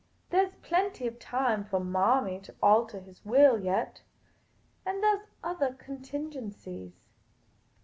There 's plenty of time for Marmy to altah his will yet — and there are othah contingencies.